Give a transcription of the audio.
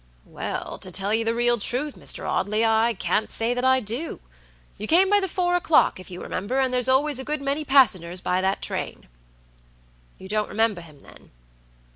"Well, to tell you the real truth, Mr. Audley, I can't say that I do. You came by the four o'clock, if you remember, and there's always a good many passengers by that train." "You don't remember him, then?"